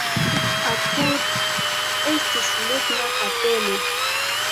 Apude estis ligna kapelo.